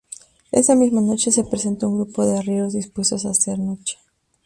Esa misma noche se presenta un grupo de arrieros dispuestos a hacer noche.